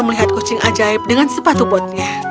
melihat kucing ajaib dengan sepatu botnya